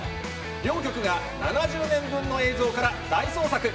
両局が７０年分の映像から大捜索。